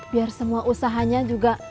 biar semua usahanya juga